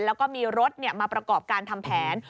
แล้วก็มีรถมาประกอบการทำแผน